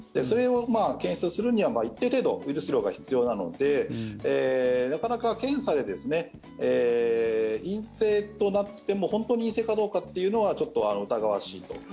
それを検出するには一定程度ウイルス量が必要なのでなかなか検査で陰性となっても本当に陰性かどうかというのはちょっと疑わしいと。